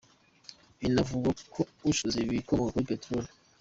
Binavugwa ko acuruza ibikomoka kuri Peteroli.